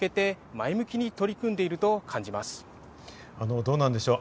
あのどうなんでしょう